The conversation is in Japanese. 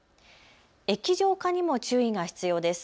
液状化にも注意が必要です。